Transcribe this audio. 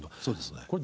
そうですね。